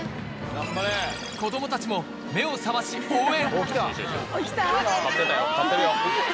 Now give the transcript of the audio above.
子どもたちも目を覚まし、応援。